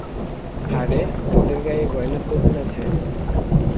হ্যারে, তোদের গায়ে গয়নার দোকান আছে?